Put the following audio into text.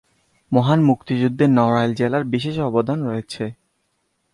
মহান মুক্তিযুদ্ধে নড়াইল জেলার বিশেষ অবদান রয়েছে।